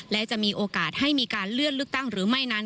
และจะมีโอกาสให้มีการเลื่อนเลือกตั้งหรือไม่นั้น